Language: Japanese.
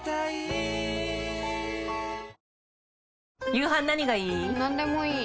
夕飯何がいい？